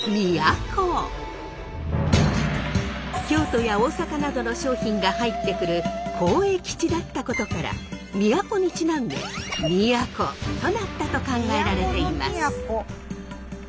京都や大阪などの商品が入ってくる交易地だったことから「都」にちなんで「宮古」となったと考えられています。